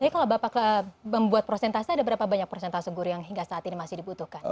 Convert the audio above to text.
jadi kalau bapak membuat prosentase ada berapa banyak prosentase guru yang hingga saat ini masih dibutuhkan